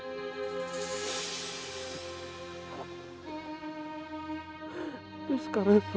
tapi sekarang aku